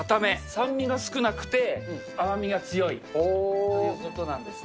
酸味が少なくて、甘みが強いということなんですね。